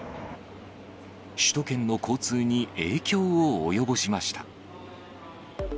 首都圏の交通に影響を及ぼしました。